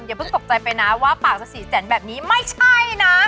เพิ่งตกใจไปนะว่าปากจะ๔แสนแบบนี้ไม่ใช่นะ